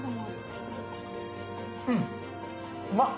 うん、うまっ。